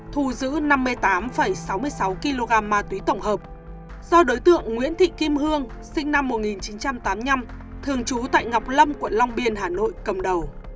thu giữ năm mươi tám sáu mươi sáu kg ma túy tổng hợp do đối tượng nguyễn thị kim hương sinh năm một nghìn chín trăm tám mươi năm thường trú tại ngọc lâm quận long biên hà nội cầm đầu